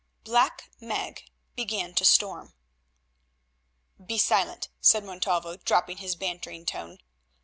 Black Meg began to storm. "Be silent," said Montalvo, dropping his bantering tone.